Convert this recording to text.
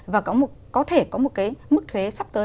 và có thể có một cái mức thuế sắp tới